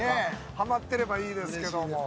ハマってればいいですけども。